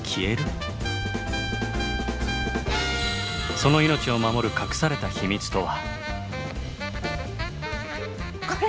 その命を守る隠された秘密とは？